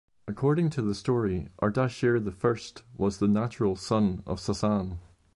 According to the story, Ardashir I was the natural son of Sassan.